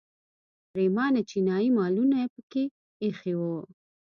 پریمانه چینایي مالونه یې په کې ایښي وو.